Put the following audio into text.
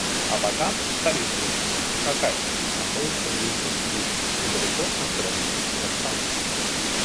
Абакан - столица Республики Хакасия, находится в Южной Сибири, недалеко от границы с Казахстаном.